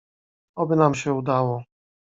"Oby nam się udało."